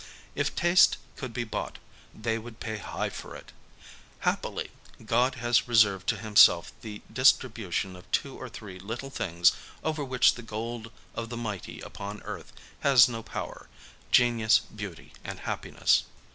If taste could be bought, they would pay high for it. Happily, God has re served to himself the distribution of two or three little things over which the gold of the mighty upon earth has no power : Genius, Beauty and Happiness.